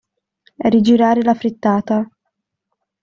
Rigirare la frittata.